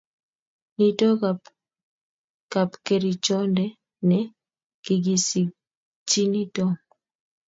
Nito ko kapkerichonde ne kikisikchini Tom